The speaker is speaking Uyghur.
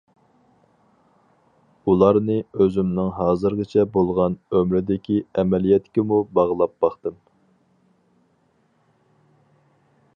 ئۇلارنى ئۆزۈمنىڭ ھازىرغىچە بولغان ئۆمرىدىكى ئەمەلىيەتكىمۇ باغلاپ باقتىم.